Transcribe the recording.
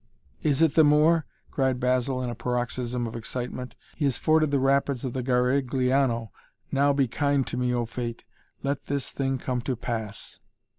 "It is the Moor!" cried Basil in a paroxysm of excitement. "He has forded the rapids of the Garigliano. Now be kind to me O Fate let this thing come to pass!"